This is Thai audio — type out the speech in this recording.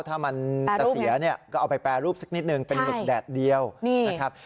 ถ้ามันจะเสียเนี่ยก็เอาไปแปรรูปสักนิดนึงเป็นหมึกแดดเดียวนะครับ